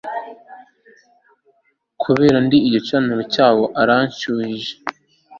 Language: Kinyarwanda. Kubera ko ndi igicaniro cyabo uranshubije